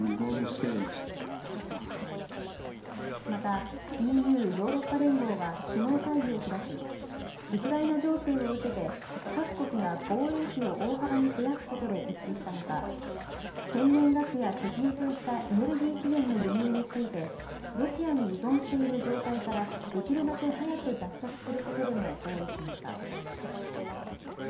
またＥＵ・ヨーロッパ連合は首脳会議を開き、ウクライナ情勢を受けて、各国が防衛費を大幅に増やすことで一致したほか、天然ガスや石油といったエネルギー資源の輸入について、ロシアに依存している状態からできるだけ早く脱却することでも合意しました。